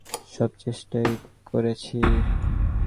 সব চেষ্টাই করেছি।